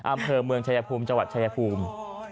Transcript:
อำเภอเมืองชายภูมิจังหวัดชายภูมิ